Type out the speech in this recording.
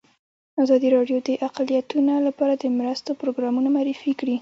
ازادي راډیو د اقلیتونه لپاره د مرستو پروګرامونه معرفي کړي.